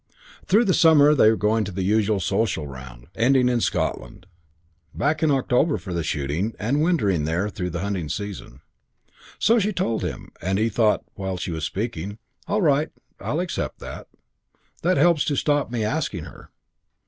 Through the summer they were going the usual social round, ending in Scotland. Back in October for the shooting, and wintering there through the hunting season. So she told him; and he thought while she was speaking, "All right. I'll accept that. That helps to stop me asking her.